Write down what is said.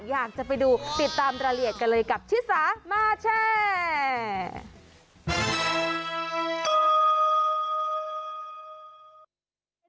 อยากจะไปดูติดตามรายละเอียดกันเลยกับชิสามาแชร์